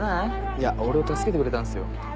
いや俺を助けてくれたんすよ。